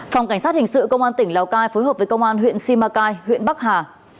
phòng cảnh sát hình sự công an tỉnh lào cai phối hợp với công an huyện simacai huyện bắc hà